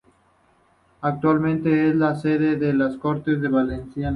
Actualmente es la sede de las Cortes Valencianas.